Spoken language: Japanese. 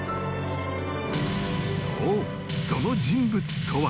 そうその人物とは